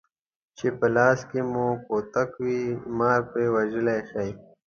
چې په لاس کې مو کوتک وي مار پرې وژلی شئ.